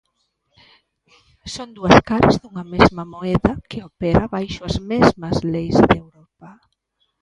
Son dúas caras dunha mesma moeda que opera baixo as mesmas leis de Europa.